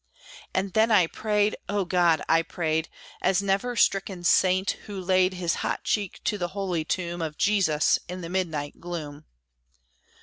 And then I prayed. O God! I prayed, As never stricken saint, who laid His hot cheek to the holy tomb Of Jesus, in the midnight gloom.